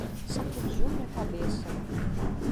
Sacudiu minha cabeça